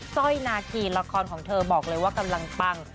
สร้อยนาคีละครของเธอบอกเลยว่ากำลังปัง